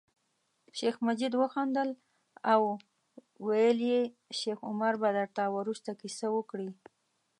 شیخ مجید وخندل او ویل یې شیخ عمر به درته وروسته کیسه وکړي.